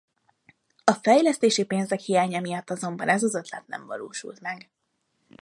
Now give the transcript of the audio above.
A fejlesztési pénzek hiánya miatt azonban ez az ötlet nem valósult meg.